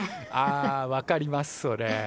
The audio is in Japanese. ああ分かりますそれ。